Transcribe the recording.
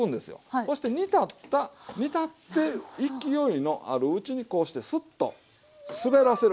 そして煮立った煮立って勢いのあるうちにこうしてスッと滑らせる。